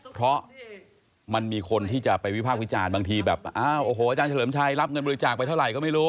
เพราะมันมีคนที่จะไปวิภาควิจารณ์บางทีแบบอ้าวโอ้โหอาจารย์เฉลิมชัยรับเงินบริจาคไปเท่าไหร่ก็ไม่รู้